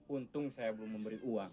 untung saya belum memberi uang